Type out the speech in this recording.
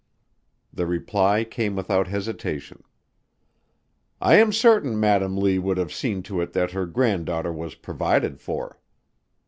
The reply came without hesitation. "I am certain Madam Lee would have seen to it that her granddaughter was provided for."